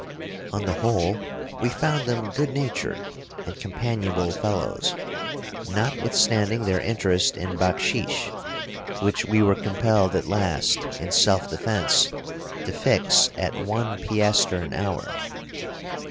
On the whole we found them good natured and companionable fellows, notwithstanding their interest in baksheesh which we were compelled at last, in self defense, to fix at one piaster an hour.